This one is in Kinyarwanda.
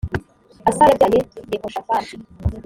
asa yabyaye yehoshafati